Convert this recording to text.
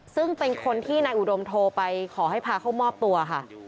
ซึ่งเป็นคนที่นายอุดมโทรไปขอให้พาเข้ามอบตัวค่ะ